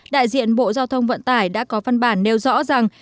đại diện bộ giao thông vận tải đã có phân bản nêu rõ rằng